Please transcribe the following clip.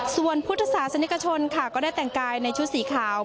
ส่วนพุทธศาสนิกชนค่ะก็ได้แต่งกายในชุดสีขาว